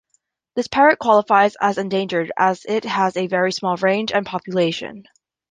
This parrot qualifies as Endangered as it has a very small range and population.